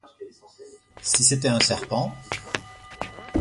Si c’était un serpent?